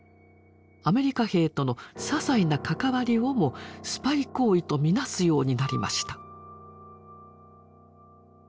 アメリカ兵とのささいな関わりをもスパイ行為とみなすようになりました。